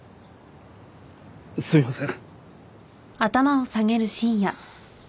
すいません。